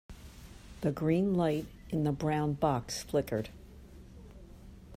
The green light in the brown box flickered.